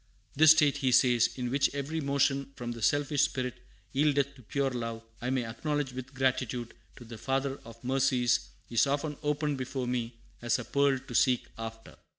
"This state," he says, "in which every motion from the selfish spirit yieldeth to pure love, I may acknowledge with gratitude to the Father of Mercies, is often opened before me as a pearl to seek after."